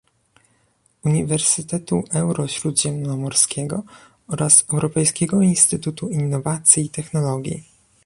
Uniwersytetu Euro-Śródziemnomorskiego oraz Europejskiego Instytutu Innowacji i Technologii